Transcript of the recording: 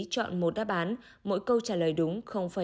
chọn một đáp án mỗi câu trả lời đúng